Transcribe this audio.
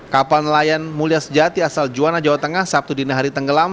kapal nelayan mulia sejati asal juwana jawa tengah sabtu dinihari tenggelam